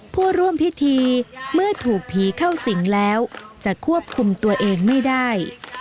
ผู้ร่วมพิธีเมื่อถูกผีเข้าสิงแล้วจะควบคุมตัวเองไม่ได้